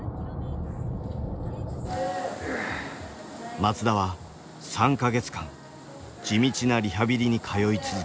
松田は３か月間地道なリハビリに通い続けた。